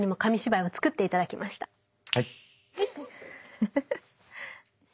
フフフ。